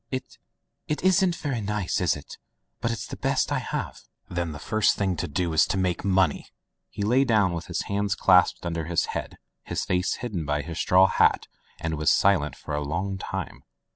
"It — it isn't very nice, is it? But it's the best I have." "Then the first thing to do is to make money!" He lay down with his hands clasped under his head, his face hidden by his straw hat, and was silent for a long time.